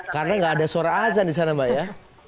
karena nggak ada suara azan di sana mbak ya